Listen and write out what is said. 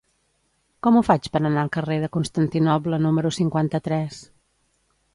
Com ho faig per anar al carrer de Constantinoble número cinquanta-tres?